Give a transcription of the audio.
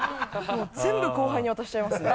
全部後輩に渡しちゃいますね。